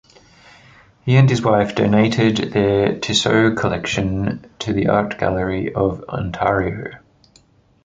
He and his wife donated their Tissot collection to the Art Gallery of Ontario.